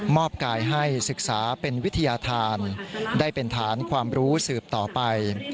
กายให้ศึกษาเป็นวิทยาธารได้เป็นฐานความรู้สืบต่อไป